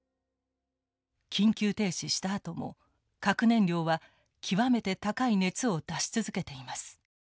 緊急停止したあとも核燃料は極めて高い熱を出し続けています。